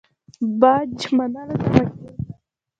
باج منلو ته مجبور کړ.